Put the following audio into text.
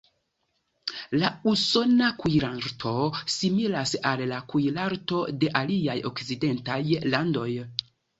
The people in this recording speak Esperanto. La usona kuirarto similas al la kuirarto de aliaj okcidentaj landoj.